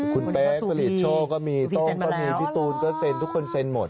คุณเป๊กผลิตโชคก็มีโต้งก็มีพี่ตูนก็เซ็นทุกคนเซ็นหมด